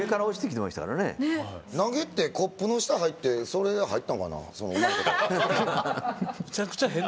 投げて、コップの下入ってそれで入ったんかな。